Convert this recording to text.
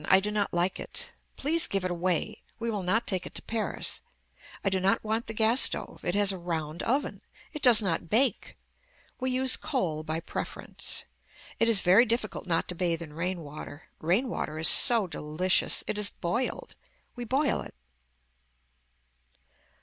I do not like it. Please give it away. We will not take it to Paris. I do not want the gas stove. It has a round oven. It does not bake. We use coal by preference. It is very difficult not to bathe in rain water. Rain water is so delicious. It is boiled. We boil it.